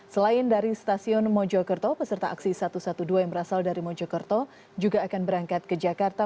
selain dari stasiun mojokerto peserta aksi satu ratus dua belas yang berasal dari mojokerto juga akan berangkat ke jakarta